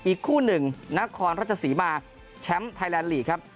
อีกคู่หนึ่งนครรัฐศรีมาร์แชมป์ไทยแลนด์ลีง